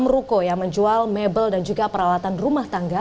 enam ruko yang menjual mebel dan juga peralatan rumah tangga